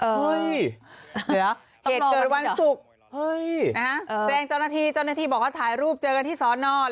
เหตุเกิดวันศุกร์แจ้งเจ้าหน้าที่เจ้าหน้าที่บอกว่าถ่ายรูปเจอกันที่สอนอน